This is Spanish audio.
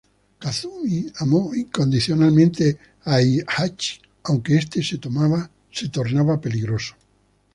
Kazumi amó incondicionalmente a Heihachi, aunque este se tornaba peligroso.